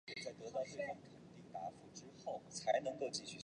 滇东杜根藤为爵床科杜根藤属的植物。